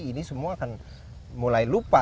ini semua akan mulai lupa